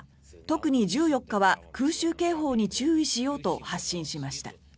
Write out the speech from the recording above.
特に１４日は空襲警報に注意しようと発信しました。